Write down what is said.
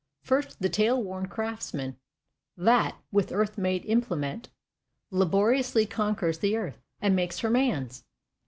First, the toilworn Craftsman, that, with earth made Implement, laboriously conquers the Earth, and makes her man's.